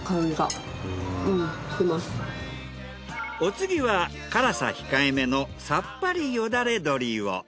お次は辛さ控えめのサッパリよだれ鶏を。